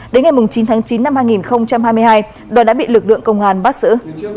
đến ngày chín tháng chín năm hai nghìn hai mươi hai đoàn đã bị lực lượng công an bắt xử